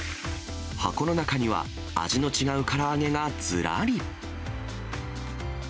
箱の中には味の違うから揚げがずらり。